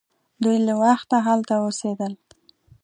دوی له وخته هلته اوسیدل.